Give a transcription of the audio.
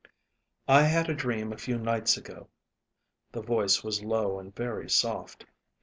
"I had a dream a few nights ago." The voice was low and very soft.